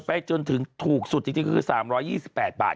ไปจนถึงถูกสุดจริงคือ๓๒๘บาท